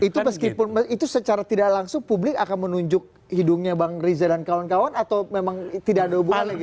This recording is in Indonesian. itu meskipun itu secara tidak langsung publik akan menunjuk hidungnya bang riza dan kawan kawan atau memang tidak ada hubungannya gitu